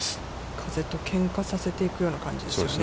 風とけんかさせていくような感じですね。